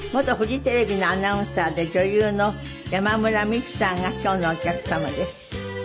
元フジテレビのアナウンサーで女優の山村美智さんが今日のお客様です。